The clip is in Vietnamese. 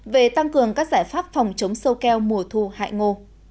về tăng cường các giải pháp phòng chống sâu keo mùa thu hại ngô